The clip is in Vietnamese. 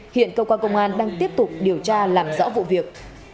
hiện cơ quan công an đang tiếp tục điều tra làm rõ vụ việc